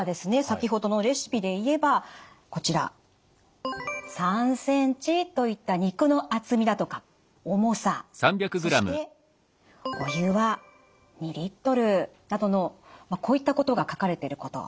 先ほどのレシピでいえばこちら「３センチ」といった肉の厚みだとか重さそしてお湯は「２リットル」などのこういったことが書かれてること。